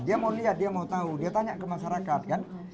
dia mau lihat dia mau tahu dia tanya ke masyarakat kan